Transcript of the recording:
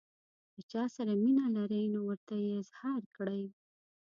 له چا سره مینه لرئ نو ورته یې اظهار کړئ.